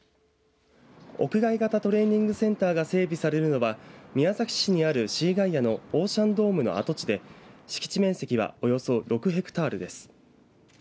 屋外型トレーニングセンターが整備されるのは宮崎市にあるシーガイアのオーシャンドームの跡地で敷地面積はおよそ６ヘクタールです。